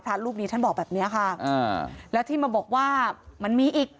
รูปนี้ท่านบอกแบบเนี้ยค่ะอ่าแล้วที่มาบอกว่ามันมีอีก